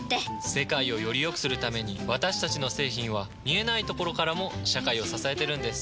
世界をよりよくするために私たちの製品は見えないところからも社会を支えてるんです。